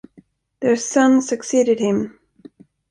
Their son succeeded him.